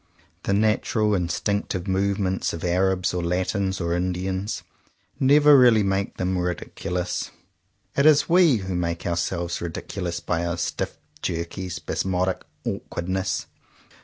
The natural, instinctive movements of Arabs or Latins or Indians never really make them ridiculous. It is we who make ourselves ridiculous by our stiff, jerky, spasmodic awkwardness.